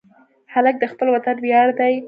هلک د خپل وطن ویاړ دی.